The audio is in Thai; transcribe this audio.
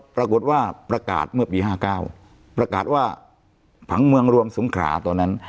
ปรากฏว่าประกาศเมื่อปี๕๙ประกาศว่าผังเมืองรวมสงขราตอนนั้น